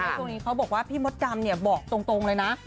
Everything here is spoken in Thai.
ช่วงนี้เขาบอกว่าพี่มดดำเนี่ยบอกตรงเลยนะ